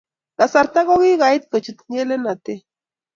Kasarta kokikait kochut ngelelnotet